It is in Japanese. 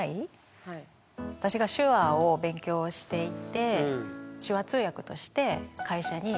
私が手話を勉強していてあっ